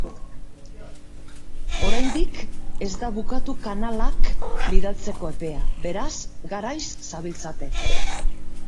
Oraindik ez da bukatu kanalak bidaltzeko epea, beraz, garaiz zabiltzate!